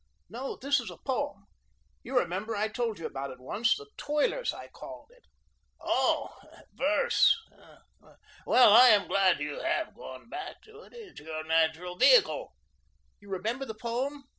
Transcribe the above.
"No, this is a poem. You remember, I told you about it once. 'The Toilers,' I called it." "Oh, verse! Well, I am glad you have gone back to it. It is your natural vehicle." "You remember the poem?"